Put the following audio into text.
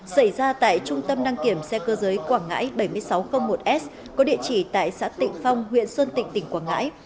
xảy ra tại trung tâm đăng kiểm xe cơ giới quảng ngãi bảy nghìn sáu trăm linh một s có địa chỉ tại xã tịnh phong huyện sơn tịnh tỉnh quảng ngãi